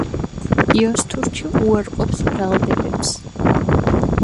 იოზთურქი უარყოფს ბრალდებებს.